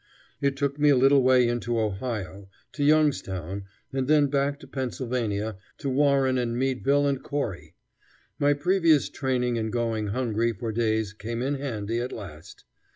It took me a little way into Ohio, to Youngstown, and then back to Pennsylvania, to Warren and Meadville and Corry. My previous training in going hungry for days came in handy at last.